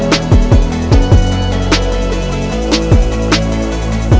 kalo lu pikir segampang itu buat ngindarin gue lu salah din